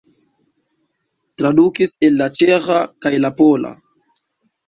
Tradukis el la ĉeĥa kaj la pola.